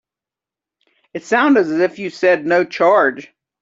It sounded as if you said no charge.